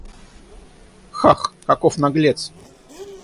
Хах, каков наглец!